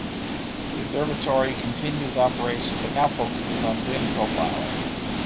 The observatory continues operation, but now focuses on wind profiling.